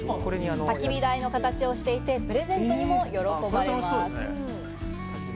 たき火台の形をしていて、プレゼントにも喜ばれます。